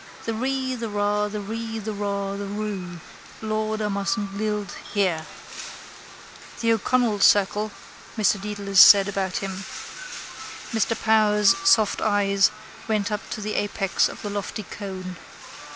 The ree the ra the ree the ra the roo. Lord, I mustn't lilt here. —The O'Connell circle, Mr Dedalus said about him. Mr Power's soft eyes went up to the apex of the lofty cone.